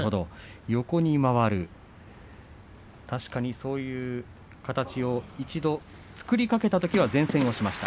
横に回る、確かにそういう形を作りかけたときは善戦しました。